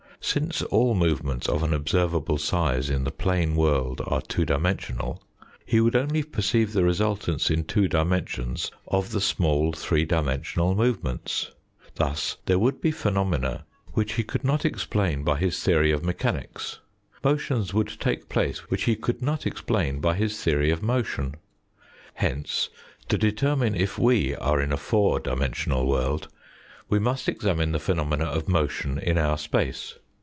Since all movements of an observable size in the plane world are two dimensional, he would only perceive the resultants in two dimensions of the small three dimensional movements. Thus, there would be phenomena which he could not explain by his 15 16 THE FOURTH DIMENSION theory of mechanics motions would take place which he could not explain by his theory of motion. Hence, to determine if we are in a four dimensional world, we must examine the phenomena of motion in our space.